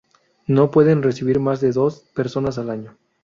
No pueden recibirla más de dos personas al año.